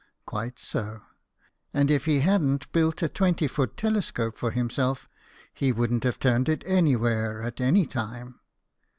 Quite so. And if he hadn't built a twenty foot telescope for himself, he wouldn't have turned it anywhere at any time.